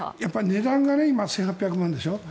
値段が今、１８００万円でしょ。